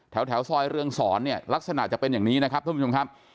แถวซอยเรืองศรเนี่ยลักษณะจะเป็นอย่างนี้นะครับท่านผู้ชมครับ